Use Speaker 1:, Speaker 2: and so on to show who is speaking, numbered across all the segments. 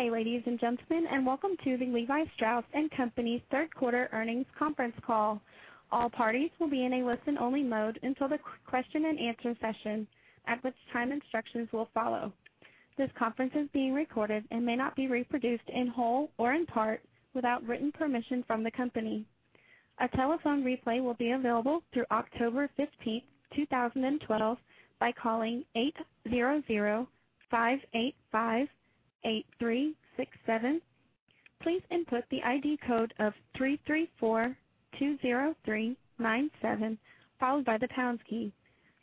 Speaker 1: Good day, ladies and gentlemen, and welcome to the Levi Strauss & Co.'s third quarter earnings conference call. All parties will be in a listen-only mode until the question-and-answer session, at which time instructions will follow. This conference is being recorded and may not be reproduced in whole or in part without written permission from the company. A telephone replay will be available through October 15th, 2012, by calling 800-585-8367. Please input the ID code of 33420397, followed by the pounds key.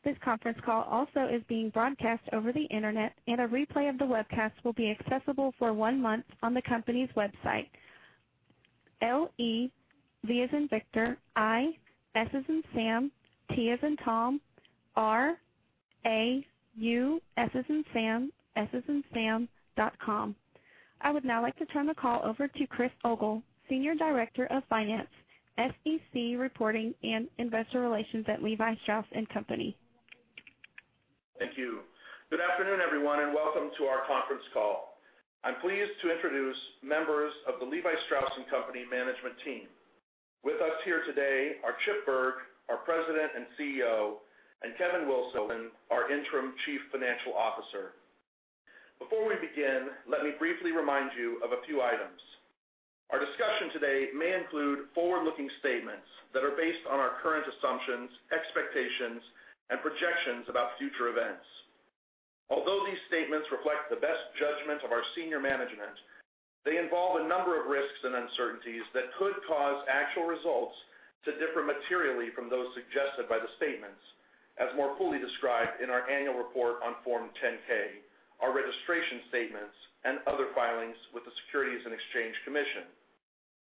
Speaker 1: This conference call also is being broadcast over the Internet, and a replay of the webcast will be accessible for one month on the company's website, levistrauss.com. I would now like to turn the call over to Chris Ogle, Senior Director of Finance, SEC Reporting, and Investor Relations at Levi Strauss & Co.
Speaker 2: Thank you. Good afternoon, everyone, and welcome to our conference call. I'm pleased to introduce members of the Levi Strauss & Co. management team. With us here today are Chip Bergh, our President and CEO, and Kevin Wilson, our interim Chief Financial Officer. Before we begin, let me briefly remind you of a few items. Our discussion today may include forward-looking statements that are based on our current assumptions, expectations, and projections about future events. Although these statements reflect the best judgment of our senior management, they involve a number of risks and uncertainties that could cause actual results to differ materially from those suggested by the statements, as more fully described in our annual report on Form 10-K, our registration statements, and other filings with the Securities and Exchange Commission.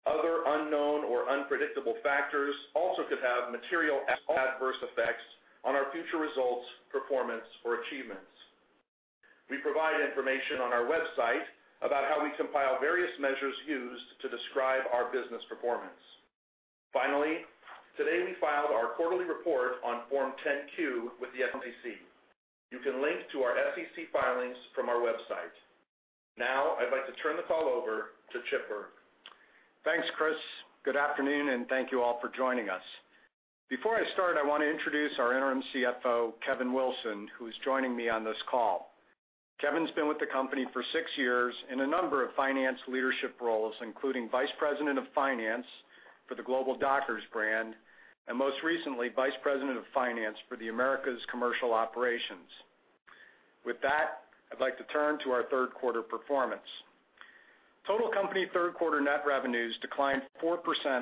Speaker 2: Other unknown or unpredictable factors also could have material adverse effects on our future results, performance, or achievements. We provide information on our website about how we compile various measures used to describe our business performance. Finally, today we filed our quarterly report on Form 10-Q with the SEC. You can link to our SEC filings from our website. Now I'd like to turn the call over to Chip Bergh.
Speaker 3: Thanks, Chris. Good afternoon, and thank you all for joining us. Before I start, I want to introduce our interim CFO, Kevin Wilson, who is joining me on this call. Kevin's been with the company for six years in a number of finance leadership roles, including Vice President of Finance for the global Dockers brand, and most recently, Vice President of Finance for the Americas Commercial Operations. With that, I'd like to turn to our third quarter performance. Total company third quarter net revenues declined 4%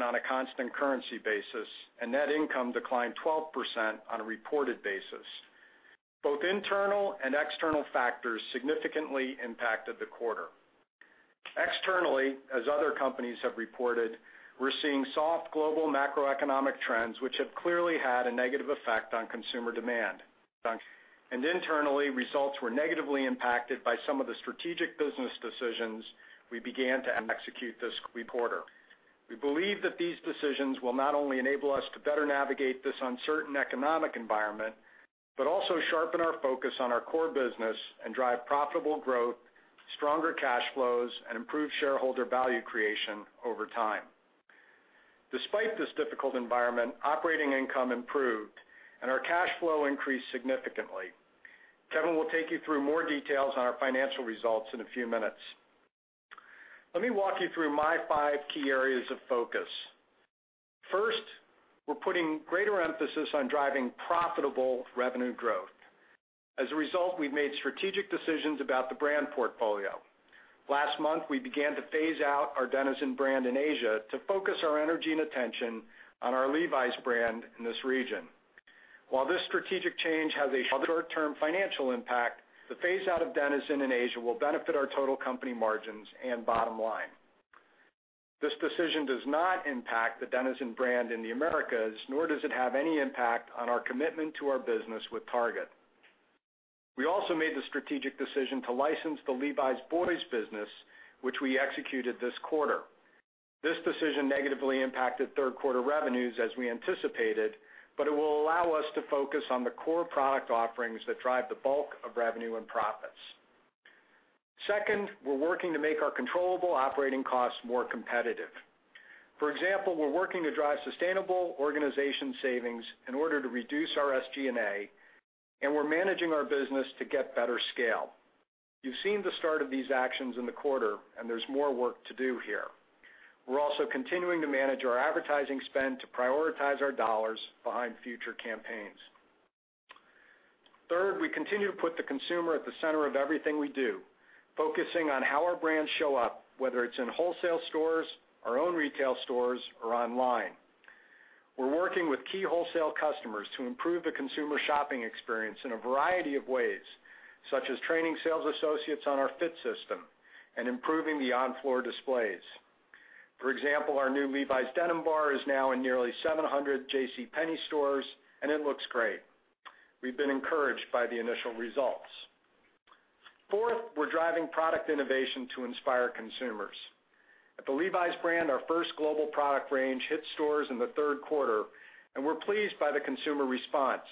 Speaker 3: on a constant currency basis, and net income declined 12% on a reported basis. Both internal and external factors significantly impacted the quarter. Externally, as other companies have reported, we're seeing soft global macroeconomic trends, which have clearly had a negative effect on consumer demand. Internally, results were negatively impacted by some of the strategic business decisions we began to execute this quarter. We believe that these decisions will not only enable us to better navigate this uncertain economic environment, but also sharpen our focus on our core business and drive profitable growth, stronger cash flows, and improved shareholder value creation over time. Despite this difficult environment, operating income improved, and our cash flow increased significantly. Kevin will take you through more details on our financial results in a few minutes. Let me walk you through my five key areas of focus. First, we're putting greater emphasis on driving profitable revenue growth. As a result, we've made strategic decisions about the brand portfolio. Last month, we began to phase out our dENiZEN brand in Asia to focus our energy and attention on our Levi's brand in this region. While this strategic change has a short-term financial impact, the phase-out of dENiZEN in Asia will benefit our total company margins and bottom line. This decision does not impact the dENiZEN brand in the Americas, nor does it have any impact on our commitment to our business with Target. We also made the strategic decision to license the Levi's Boys business, which we executed this quarter. This decision negatively impacted third-quarter revenues as we anticipated, but it will allow us to focus on the core product offerings that drive the bulk of revenue and profits. Second, we're working to make our controllable operating costs more competitive. For example, we're working to drive sustainable organization savings in order to reduce our SGA, and we're managing our business to get better scale. You've seen the start of these actions in the quarter, and there's more work to do here. We're also continuing to manage our advertising spend to prioritize our dollars behind future campaigns. Third, we continue to put the consumer at the center of everything we do, focusing on how our brands show up, whether it's in wholesale stores, our own retail stores, or online. We're working with key wholesale customers to improve the consumer shopping experience in a variety of ways, such as training sales associates on our fit system and improving the on-floor displays. For example, our new Levi's Denim Bar is now in nearly 700 JCPenney stores, and it looks great. We've been encouraged by the initial results. Fourth, we're driving product innovation to inspire consumers. At the Levi's brand, our first global product range hit stores in the third quarter, and we're pleased by the consumer response.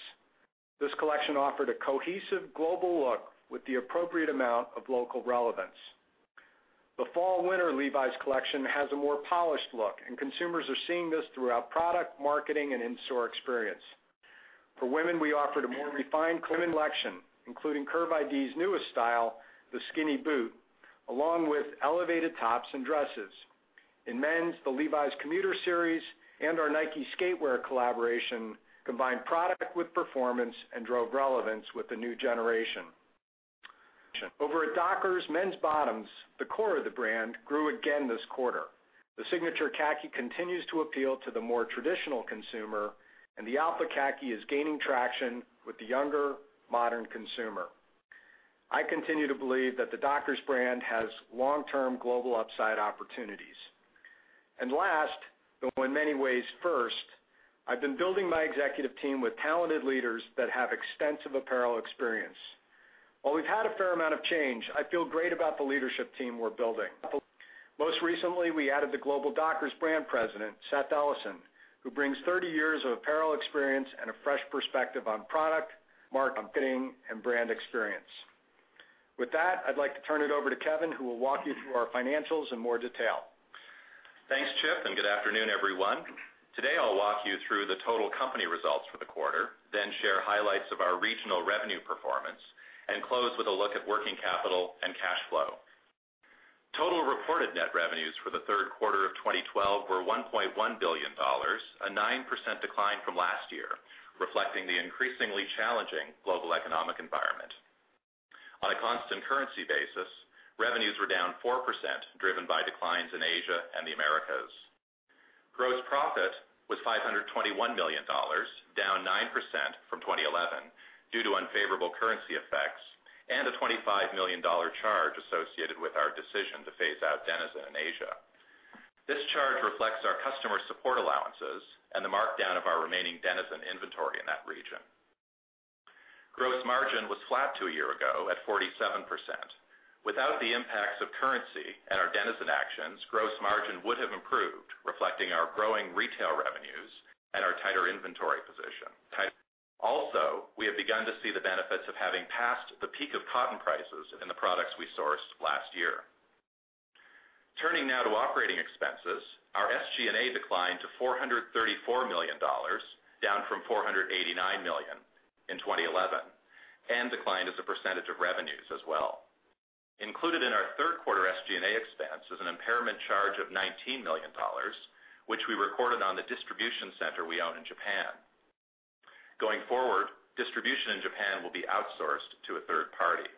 Speaker 3: This collection offered a cohesive global look with the appropriate amount of local relevance. The fall/winter Levi's collection has a more polished look, and consumers are seeing this throughout product, marketing, and in-store experience. For women, we offered a more refined collection, including Curve ID's newest style, the skinny boot, along with elevated tops and dresses. In men's, the Levi's Commuter Series and our Nike Skateboarding collaboration combined product with performance and drove relevance with the new generation. Over at Dockers men's bottoms, the core of the brand grew again this quarter. The Signature Khaki continues to appeal to the more traditional consumer, and the Alpha Khaki is gaining traction with the younger, modern consumer. I continue to believe that the Dockers brand has long-term global upside opportunities. Last, though in many ways, first, I've been building my executive team with talented leaders that have extensive apparel experience. While we've had a fair amount of change, I feel great about the leadership team we're building. Most recently, we added the global Dockers brand president, Seth Ellison, who brings 30 years of apparel experience and a fresh perspective on product, marketing, and brand experience. With that, I'd like to turn it over to Kevin, who will walk you through our financials in more detail.
Speaker 4: Thanks, Chip. Good afternoon, everyone. Today, I'll walk you through the total company results for the quarter, then share highlights of our regional revenue performance and close with a look at working capital and cash flow. Total reported net revenues for the third quarter of 2012 were $1.1 billion, a 9% decline from last year, reflecting the increasingly challenging global economic environment. On a constant currency basis, revenues were down 4%, driven by declines in Asia and the Americas. Gross profit was $521 million, down 9% from 2011 due to unfavorable currency effects and a $25 million charge associated with our decision to phase out dENiZEN in Asia. This charge reflects our customer support allowances and the markdown of our remaining dENiZEN inventory in that region. Gross margin was flat to a year ago at 47%. Without the impacts of currency and our dENiZEN actions, gross margin would have improved, reflecting our growing retail revenues and our tighter inventory position. Also, we have begun to see the benefits of having passed the peak of cotton prices in the products we sourced last year. Turning now to operating expenses, our SG&A declined to $434 million, down from $489 million in 2011, and declined as a percentage of revenues as well. Included in our third quarter SG&A expense is an impairment charge of $19 million, which we recorded on the distribution center we own in Japan. Going forward, distribution in Japan will be outsourced to a third party.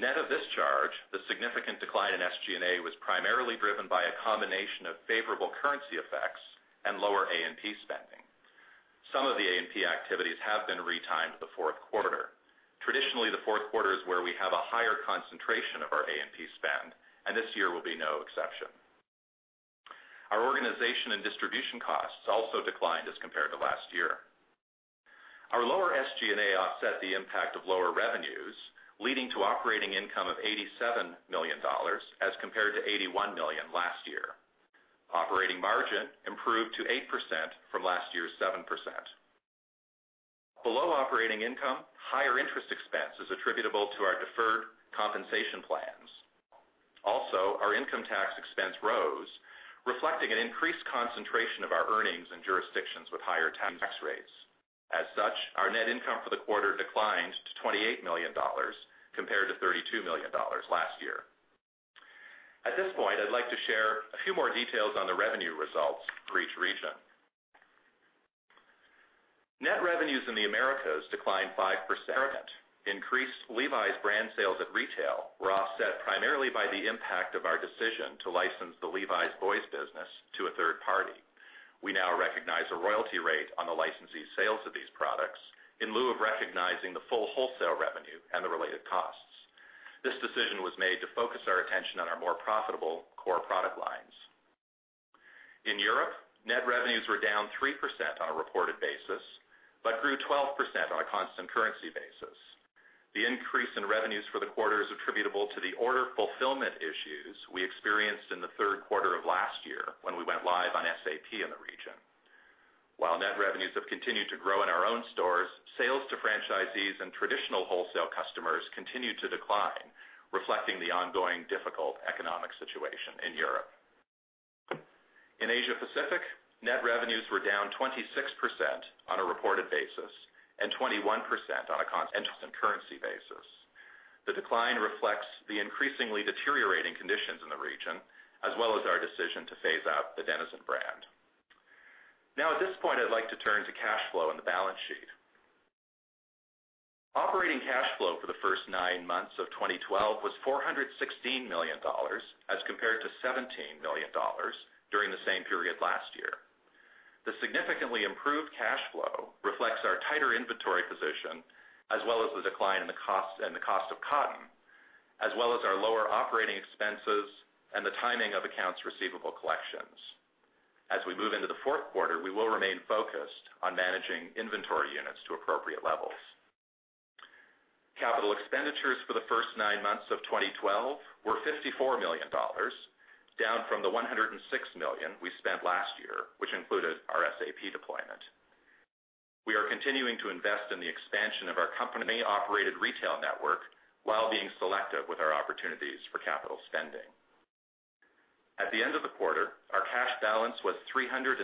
Speaker 4: Net of this charge, the significant decline in SG&A was primarily driven by a combination of favorable currency effects and lower A&P spending. Some of the A&P activities have been retimed to the fourth quarter. Traditionally, the fourth quarter is where we have a higher concentration of our A&P spend. This year will be no exception. Our organization and distribution costs also declined as compared to last year. Our lower SG&A offset the impact of lower revenues, leading to operating income of $87 million, as compared to $81 million last year. Operating margin improved to 8% from last year's 7%. Below operating income, higher interest expense is attributable to our deferred compensation plans. Our income tax expense rose, reflecting an increased concentration of our earnings in jurisdictions with higher tax rates. Our net income for the quarter declined to $28 million, compared to $32 million last year. At this point, I'd like to share a few more details on the revenue results for each region. Net revenues in the Americas declined 5%. Increased Levi's brand sales at retail were offset primarily by the impact of our decision to license the Levi's Boys business to a third party. We now recognize a royalty rate on the licensee sales of these products in lieu of recognizing the full wholesale revenue and the related costs. This decision was made to focus our attention on our more profitable core product lines. In Europe, net revenues were down 3% on a reported basis, but grew 12% on a constant currency basis. The increase in revenues for the quarter is attributable to the order fulfillment issues we experienced in the third quarter of last year when we went live on SAP in the region. While net revenues have continued to grow in our own stores, sales to franchisees and traditional wholesale customers continued to decline, reflecting the ongoing difficult economic situation in Europe. In Asia Pacific, net revenues were down 26% on a reported basis and 21% on a constant currency basis. The decline reflects the increasingly deteriorating conditions in the region, as well as our decision to phase out the dENiZEN brand. At this point, I'd like to turn to cash flow and the balance sheet. Operating cash flow for the first nine months of 2012 was $416 million, as compared to $17 million during the same period last year. The significantly improved cash flow reflects our tighter inventory position, as well as the decline in the cost of cotton, as well as our lower operating expenses and the timing of accounts receivable collections. As we move into the fourth quarter, we will remain focused on managing inventory units to appropriate levels. Capital expenditures for the first nine months of 2012 were $54 million, down from the $106 million we spent last year, which included our SAP deployment. We are continuing to invest in the expansion of our company-operated retail network while being selective with our opportunities for capital spending. At the end of the quarter, our cash balance was $315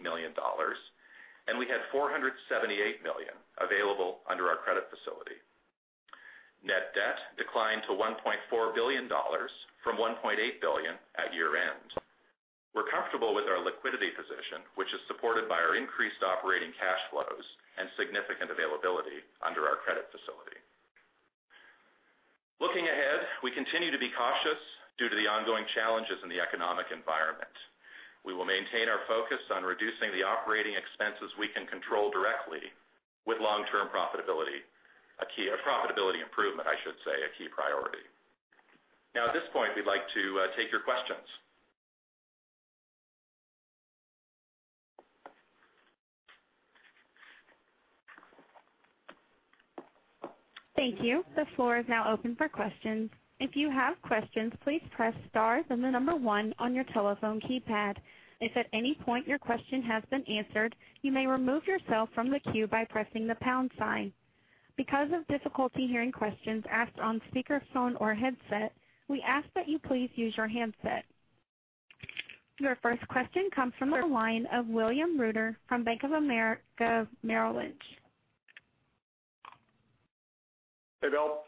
Speaker 4: million, and we had $478 million available under our credit facility. Net debt declined to $1.4 billion from $1.8 billion at year-end. We're comfortable with our liquidity position, which is supported by our increased operating cash flows and significant availability under our credit facility. Looking ahead, we continue to be cautious due to the ongoing challenges in the economic environment. We will maintain our focus on reducing the operating expenses we can control directly, with profitability improvement, a key priority. At this point, we'd like to take your questions.
Speaker 1: Thank you. The floor is now open for questions. If you have questions, please press star and the number one on your telephone keypad. If at any point your question has been answered, you may remove yourself from the queue by pressing the pound sign. Because of difficulty hearing questions asked on speakerphone or headset, we ask that you please use your handset. Your first question comes from the line of William Reuter from Bank of America Merrill Lynch.
Speaker 3: Hey, Bill.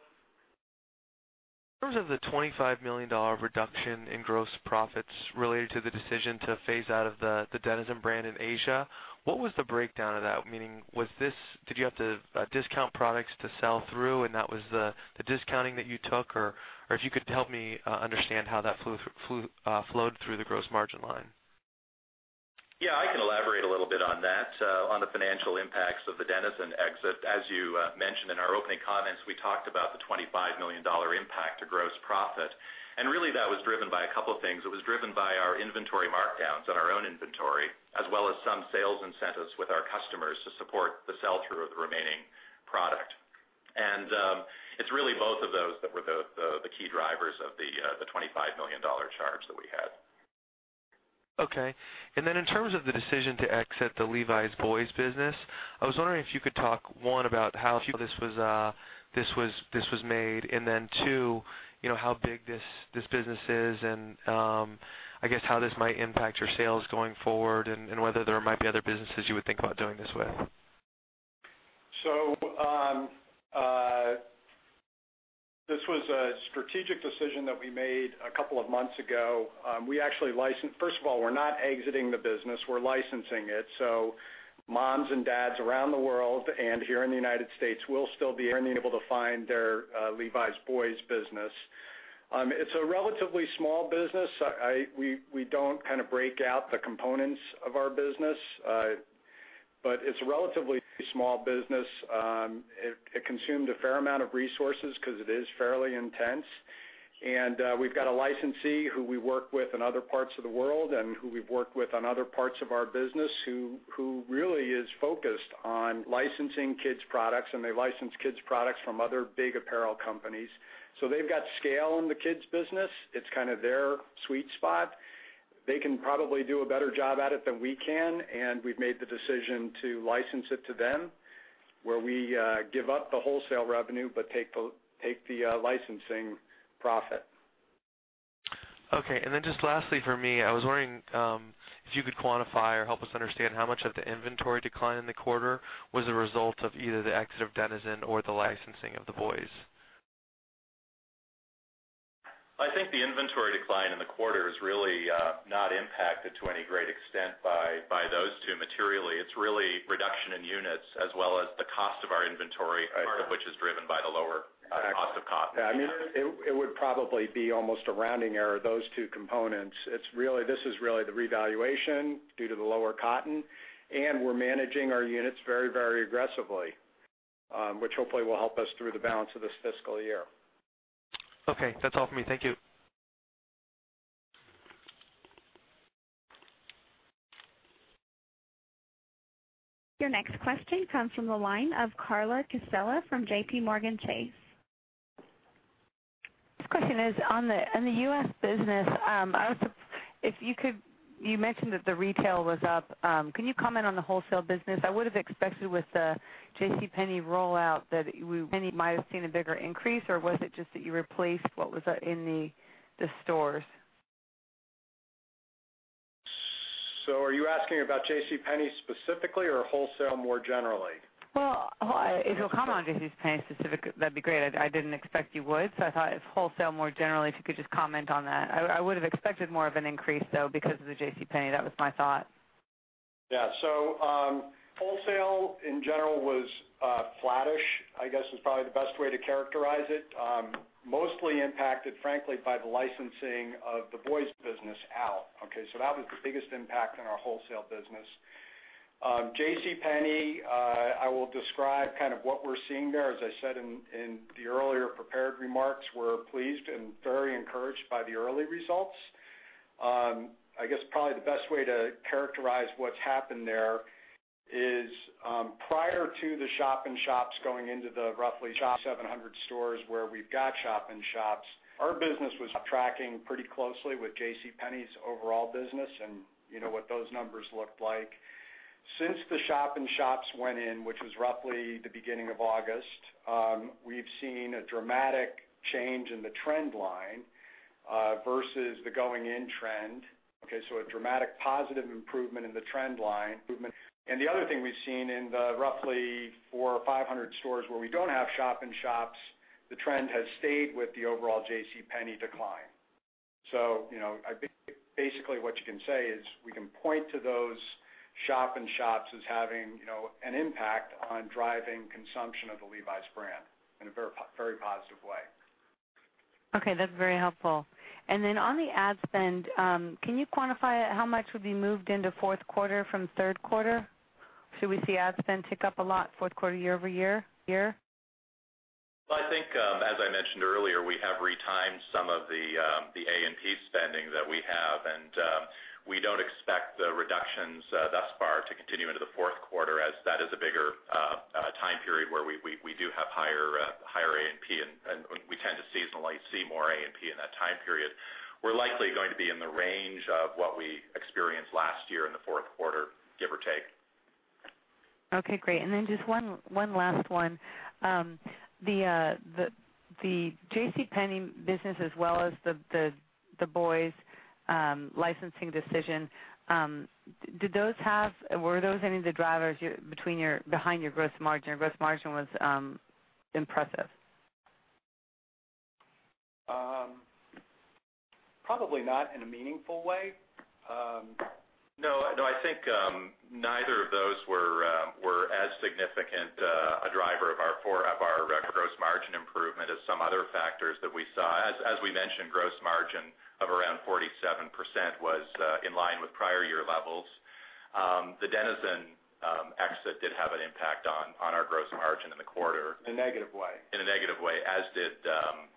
Speaker 5: In terms of the $25 million reduction in gross profits related to the decision to phase out of the dENiZEN brand in Asia, what was the breakdown of that? Meaning, did you have to discount products to sell through, and that was the discounting that you took? If you could help me understand how that flowed through the gross margin line.
Speaker 4: Yeah, I can elaborate a little bit on that, on the financial impacts of the dENiZEN exit. As you mentioned in our opening comments, we talked about the $25 million impact to gross profit. Really that was driven by a couple of things. It was driven by our inventory markdowns on our own inventory, as well as some sales incentives with our customers to support the sell-through of the remaining product. It's really both of those that were the key drivers of the $25 million charge that we had.
Speaker 5: Okay. In terms of the decision to exit the Levi's Boys business, I was wondering if you could talk, one, about how this was made. Two, how big this business is and, I guess how this might impact your sales going forward, and whether there might be other businesses you would think about doing this with.
Speaker 3: This was a strategic decision that we made a couple of months ago. First of all, we're not exiting the business, we're licensing it. Moms and dads around the world and here in the U.S. will still be able to find their Levi's Boys business. It's a relatively small business. We don't kind of break out the components of our business. It's a relatively small business. It consumed a fair amount of resources because it is fairly intense. We've got a licensee who we work with in other parts of the world and who we've worked with on other parts of our business who really is focused on licensing kids' products, and they license kids' products from other big apparel companies. They've got scale in the kids business. It's kind of their sweet spot. They can probably do a better job at it than we can, we've made the decision to license it to them, where we give up the wholesale revenue but take the licensing profit.
Speaker 5: Okay. Just lastly from me, I was wondering if you could quantify or help us understand how much of the inventory decline in the quarter was a result of either the exit of dENiZEN or the licensing of the Boys.
Speaker 4: I think the inventory decline in the quarter is really not impacted to any great extent by those two materially. It's really reduction in units as well as the cost of our inventory part of which is driven by the lower cost of cotton.
Speaker 3: Exactly. It would probably be almost a rounding error, those two components. This is really the revaluation due to the lower cotton, and we're managing our units very aggressively, which hopefully will help us through the balance of this fiscal year.
Speaker 5: Okay. That's all from me. Thank you.
Speaker 1: Your next question comes from the line of Carla Casella from JPMorgan Chase.
Speaker 6: This question is on the U.S. business. You mentioned that the retail was up. Can you comment on the wholesale business? I would've expected with the JCPenney rollout that you might've seen a bigger increase, or was it just that you replaced what was in the stores?
Speaker 3: Are you asking about JCPenney specifically or wholesale more generally?
Speaker 6: Well, if you'll comment on JCPenney specifically, that'd be great. I didn't expect you would, so I thought if wholesale more generally, if you could just comment on that. I would've expected more of an increase, though, because of the JCPenney. That was my thought.
Speaker 3: Yeah. Wholesale in general was flattish, I guess, is probably the best way to characterize it. Mostly impacted, frankly, by the licensing of the Boys business out. Okay? That was the biggest impact on our wholesale business. JCPenney, I will describe kind of what we're seeing there. As I said in the earlier prepared remarks, we're pleased and very encouraged by the early results. I guess probably the best way to characterize what's happened there is, prior to the shop-in-shops going into the roughly 700 stores where we've got shop-in-shops, our business was tracking pretty closely with JCPenney's overall business, and you know what those numbers looked like. Since the shop-in-shops went in, which was roughly the beginning of August, we've seen a dramatic change in the trend line versus the going-in trend. Okay? A dramatic positive improvement in the trend line. The other thing we've seen in the roughly 400 or 500 stores where we don't have shop-in-shops, the trend has stayed with the overall JCPenney decline. I think basically what you can say is, we can point to those shop-in-shops as having an impact on driving consumption of the Levi's brand in a very positive way.
Speaker 6: Okay, that's very helpful. On the ad spend, can you quantify how much would be moved into fourth quarter from third quarter? Should we see ad spend tick up a lot fourth quarter year-over-year?
Speaker 4: Well, I think, as I mentioned earlier, we have retimed some of the A&P spending that we have, and we don't expect the reductions thus far to continue into the fourth quarter, as that is a bigger time period where we do have higher A&P, and we tend to seasonally see more A&P in that time period. We're likely going to be in the range of what we experienced last year in the fourth quarter, give or take.
Speaker 6: Okay, great. Just one last one. The JCPenney business as well as the boys licensing decision, were those any of the drivers behind your gross margin? Your gross margin was impressive.
Speaker 3: Probably not in a meaningful way.
Speaker 4: I think neither of those were as significant a driver of our gross margin improvement as some other factors that we saw. As we mentioned, gross margin of around 47% was in line with prior year levels. The dENiZEN exit did have an impact on our gross margin in the quarter.
Speaker 3: In a negative way.
Speaker 4: In a negative way, as did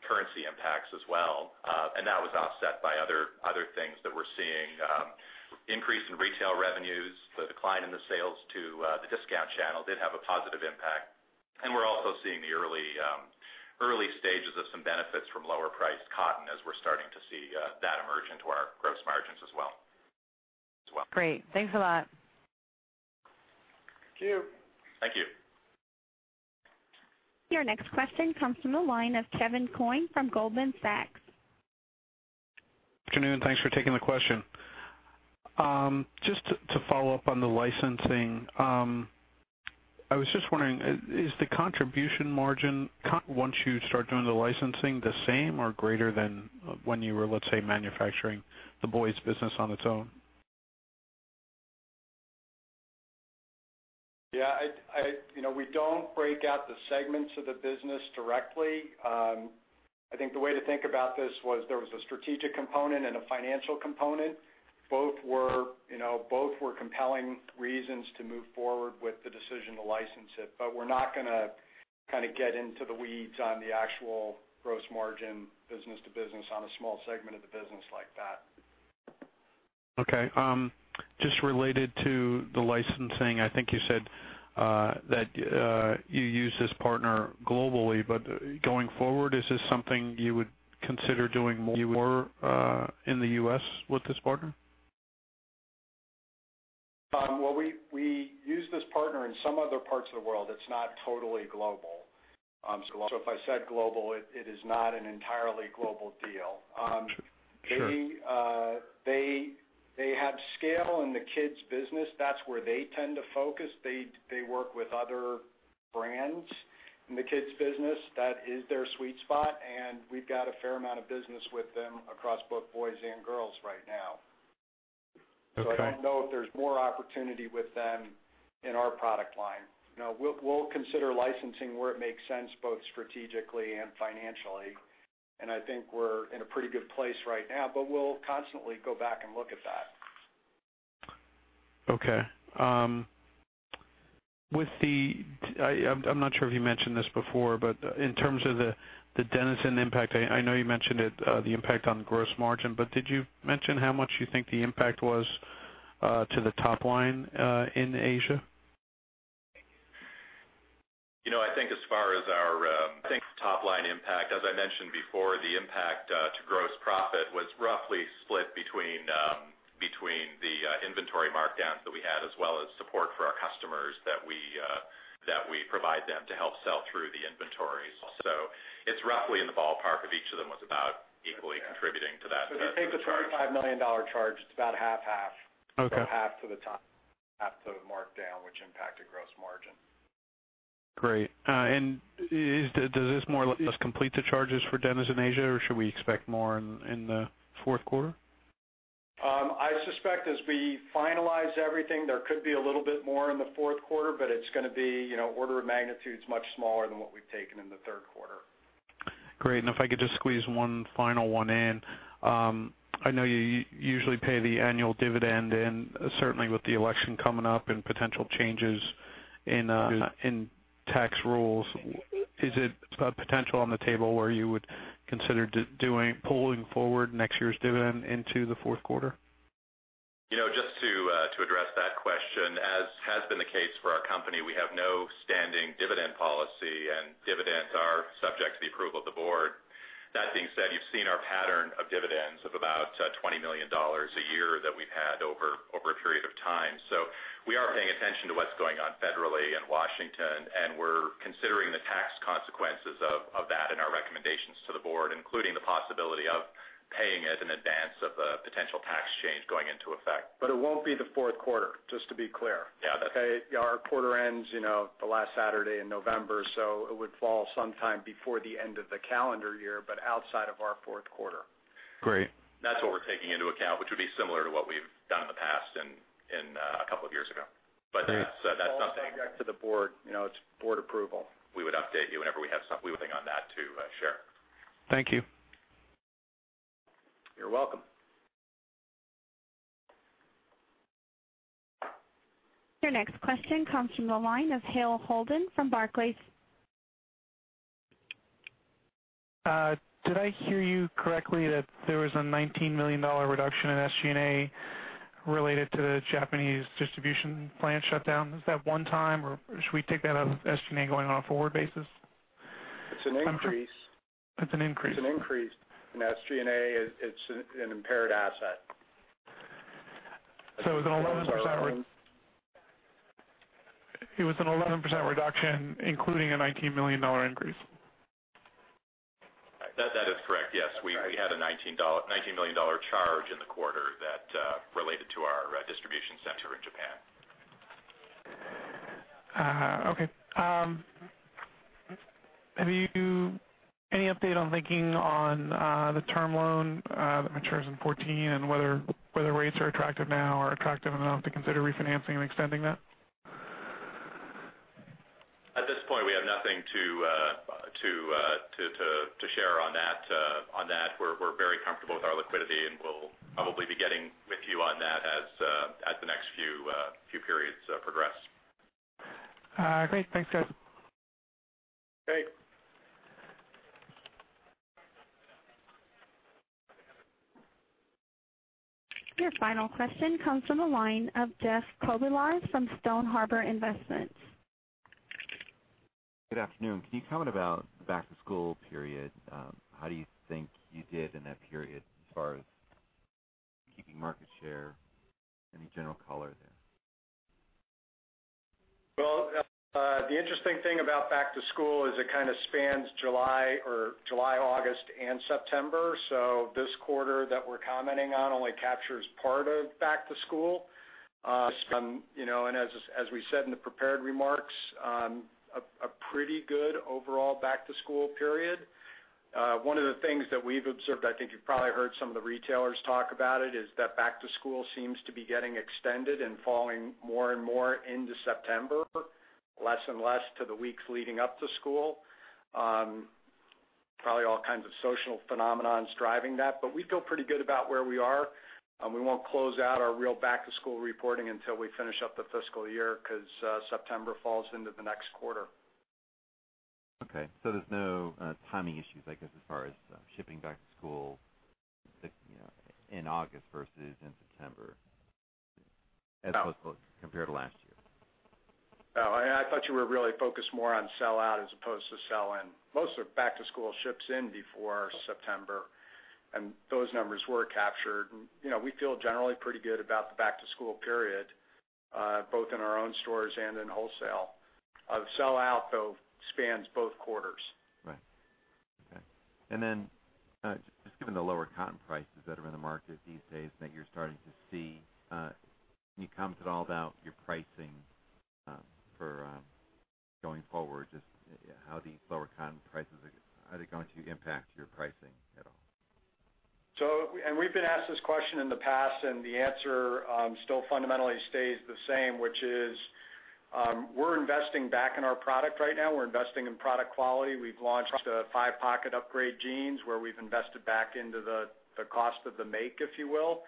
Speaker 4: currency impacts as well. That was offset by other things that we're seeing. Increase in retail revenues. The decline in the sales to the discount channel did have a positive impact. We're also seeing the early stages of some benefits from lower priced cotton, as we're starting to see that emerge into our gross margins as well.
Speaker 6: Great. Thanks a lot.
Speaker 3: Thank you.
Speaker 4: Thank you.
Speaker 1: Your next question comes from the line of Kevin Coyne from Goldman Sachs.
Speaker 7: Good afternoon. Thanks for taking the question. Just to follow up on the licensing. I was just wondering, is the contribution margin, once you start doing the licensing, the same or greater than when you were, let's say, manufacturing the boys business on its own?
Speaker 3: Yeah. We don't break out the segments of the business directly. I think the way to think about this was there was a strategic component and a financial component. Both were compelling reasons to move forward with the decision to license it. We're not going to get into the weeds on the actual gross margin business to business on a small segment of the business like that.
Speaker 7: Okay. Just related to the licensing, I think you said, that you use this partner globally, but going forward, is this something you would consider doing more in the U.S. with this partner?
Speaker 3: Well, we use this partner in some other parts of the world. It's not totally global. If I said global, it is not an entirely global deal.
Speaker 7: Sure.
Speaker 3: They have scale in the kids' business. That's where they tend to focus. They work with other brands in the kids' business. That is their sweet spot, and we've got a fair amount of business with them across both boys and girls right now.
Speaker 7: Okay.
Speaker 3: I don't know if there's more opportunity with them in our product line. We'll consider licensing where it makes sense, both strategically and financially. I think we're in a pretty good place right now, but we'll constantly go back and look at that.
Speaker 7: Okay. I'm not sure if you mentioned this before, but in terms of the dENiZEN impact, I know you mentioned it, the impact on gross margin, but did you mention how much you think the impact was to the top line in Asia?
Speaker 4: I think as far as our top-line impact, as I mentioned before, the impact to gross profit was roughly split between the inventory markdowns that we had, as well as support for our customers that we provide them to help sell through the inventories. It's roughly in the ballpark of each of them was about equally contributing to that.
Speaker 3: If you take the $25 million charge, it is about 50/50.
Speaker 7: Okay.
Speaker 3: Half to the top, half to the markdown, which impacted gross margin.
Speaker 7: Great. Does this more or less complete the charges for dENiZEN Asia, or should we expect more in the fourth quarter?
Speaker 3: I suspect as we finalize everything, there could be a little bit more in the fourth quarter, but it is going to be order of magnitude much smaller than what we have taken in the third quarter.
Speaker 7: If I could just squeeze one final one in. I know you usually pay the annual dividend and certainly with the election coming up and potential changes in tax rules, is it a potential on the table where you would consider pulling forward next year's dividend into the fourth quarter?
Speaker 4: Just to address that question, as has been the case for our company, we have no standing dividend policy, and dividends are subject to the approval of the board. That being said, you've seen our pattern of dividends of about $20 million a year that we've had over a period of time. We are paying attention to what's going on federally in Washington, and we're considering the tax consequences of that in our recommendations to the board, including the possibility of paying it in advance of a potential tax change going into effect.
Speaker 3: It won't be the fourth quarter, just to be clear.
Speaker 4: Yeah.
Speaker 3: Okay. Our quarter ends the last Saturday in November, it would fall sometime before the end of the calendar year, outside of our fourth quarter.
Speaker 7: Great.
Speaker 4: That's what we're taking into account, which would be similar to what we've done in the past and a couple of years ago.
Speaker 3: It's all subject to the board. It's board approval.
Speaker 4: We would update you whenever we have something on that to share.
Speaker 7: Thank you.
Speaker 4: You're welcome.
Speaker 1: Your next question comes from the line of Hale Holden from Barclays.
Speaker 8: Did I hear you correctly that there was a $19 million reduction in SGA related to the Japanese distribution plant shutdown? Is that one time, or should we take that out of SGA going on a forward basis?
Speaker 3: It's an increase.
Speaker 8: It's an increase.
Speaker 3: It's an increase in SGA. It's an impaired asset.
Speaker 8: It was an 11% reduction including a $19 million increase.
Speaker 4: That is correct, yes. We had a $19 million charge in the quarter that related to our distribution center in Japan.
Speaker 8: Okay. Any update on thinking on the term loan that matures in 2014 and whether rates are attractive now or attractive enough to consider refinancing and extending that?
Speaker 4: At this point, we have nothing to share on that. We're very comfortable with our liquidity, and we'll probably be getting with you on that as the next few periods progress.
Speaker 8: Great. Thanks, guys.
Speaker 3: Great.
Speaker 1: Your final question comes from the line of Jeff Kobylarz from Stone Harbor Investment Partners.
Speaker 9: Good afternoon. Can you comment about back-to-school period? How do you think you did in that period as far as keeping market share? Any general color there?
Speaker 3: The interesting thing about back-to-school is it kind of spans July, August, and September. This quarter that we're commenting on only captures part of back-to-school. As we said in the prepared remarks, a pretty good overall back-to-school period. One of the things that we've observed, I think you've probably heard some of the retailers talk about it, is that back-to-school seems to be getting extended and falling more and more into September, less and less to the weeks leading up to school. Probably all kinds of social phenomenons driving that. We feel pretty good about where we are. We won't close out our real back-to-school reporting until we finish up the fiscal year because September falls into the next quarter.
Speaker 9: Okay. There's no timing issues, I guess, as far as shipping back-to-school in August versus in September.
Speaker 3: No
Speaker 9: as opposed to compared to last year.
Speaker 3: No, I thought you were really focused more on sell out as opposed to sell in. Most of back to school ships in before September, and those numbers were captured. We feel generally pretty good about the back to school period, both in our own stores and in wholesale. Sell out, though, spans both quarters.
Speaker 9: Right. Okay. Then just given the lower cotton prices that are in the market these days that you're starting to see, can you comment at all about your pricing for going forward? Just how these lower cotton prices, how are they going to impact your pricing at all?
Speaker 3: We've been asked this question in the past, the answer still fundamentally stays the same, which is we're investing back in our product right now. We're investing in product quality. We've launched the five-pocket upgrade jeans where we've invested back into the cost of the make, if you will.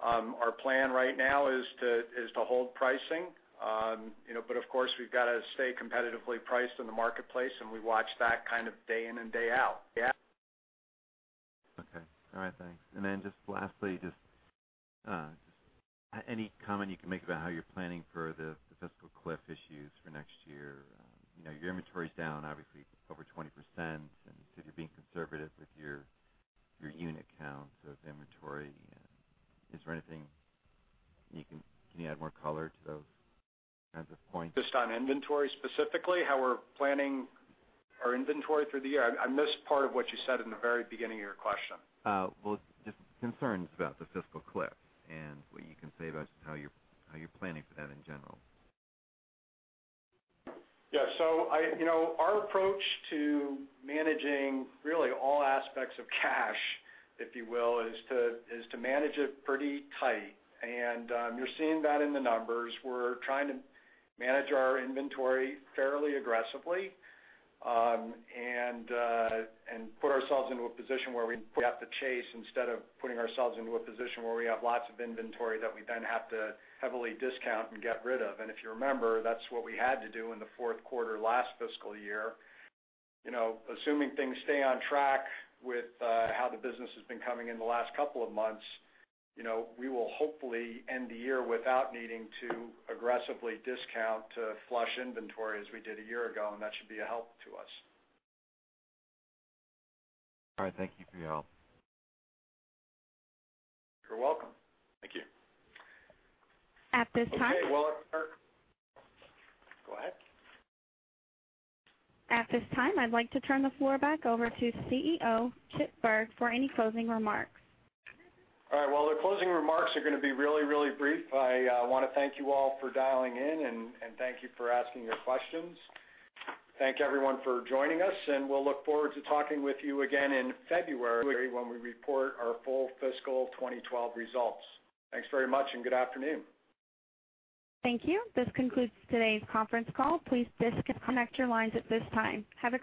Speaker 3: Our plan right now is to hold pricing. Of course, we've got to stay competitively priced in the marketplace, we watch that kind of day in and day out. Yeah.
Speaker 9: Okay. All right, thanks. Then just lastly, just any comment you can make about how you're planning for the fiscal cliff issues for next year? Your inventory's down, obviously, over 20%, you said you're being conservative with your unit counts of inventory. Can you add more color to those kinds of points?
Speaker 3: Just on inventory specifically, how we're planning our inventory through the year? I missed part of what you said in the very beginning of your question.
Speaker 9: Well, just concerns about the fiscal cliff and what you can say about how you're planning for that in general.
Speaker 3: Yeah. Our approach to managing really all aspects of cash, if you will, is to manage it pretty tight. You're seeing that in the numbers. We're trying to manage our inventory fairly aggressively and put ourselves into a position where we have to chase instead of putting ourselves into a position where we have lots of inventory that we then have to heavily discount and get rid of. If you remember, that's what we had to do in the fourth quarter last fiscal year. Assuming things stay on track with how the business has been coming in the last couple of months, we will hopefully end the year without needing to aggressively discount to flush inventory as we did a year ago, and that should be a help to us.
Speaker 9: All right. Thank you for your help.
Speaker 3: You're welcome.
Speaker 4: Thank you.
Speaker 1: At this time.
Speaker 3: Okay. Well, go ahead.
Speaker 1: At this time, I'd like to turn the floor back over to CEO Chip Bergh for any closing remarks.
Speaker 3: Well, the closing remarks are going to be really, really brief. I want to thank you all for dialing in, and thank you for asking your questions. Thank everyone for joining us, and we'll look forward to talking with you again in February when we report our full fiscal 2012 results. Thanks very much, and good afternoon.
Speaker 1: Thank you. This concludes today's conference call. Please disconnect your lines at this time. Have a great day.